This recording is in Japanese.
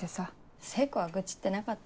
聖子は愚痴ってなかったよ。